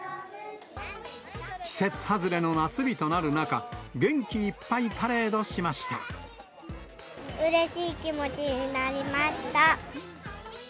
季節外れの夏日となる中、元気いうれしい気持ちになりました。